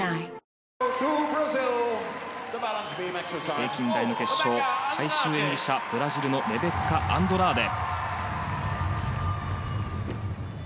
平均台の決勝最終演技者、ブラジルのレベッカ・アンドラーデ。